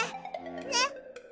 ねっ！